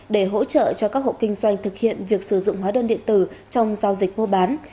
để hỗ trợ cho các hộ kinh doanh thực hiện việc sử dụng hóa đơn điện tử trong giao dịch mua bán